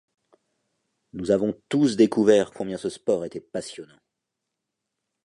Nous avons tous découvert combien ce sport était passionnant.